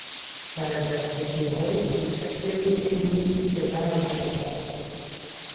برجستگیهای کوچک روی میزی که رنگ شده است